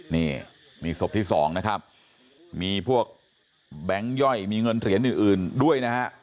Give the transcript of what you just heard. นี่มีศพที่สองนะครับมีพวกแบงค์ย่อยมีเงินเหรียญอื่นด้วยนะฮะ